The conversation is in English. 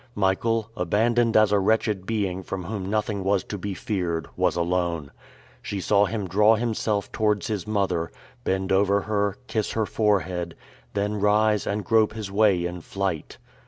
Michael, abandoned as a wretched being from whom nothing was to be feared, was alone. She saw him draw himself towards his mother, bend over her, kiss her forehead, then rise and grope his way in flight.